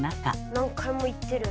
何回も行ってる。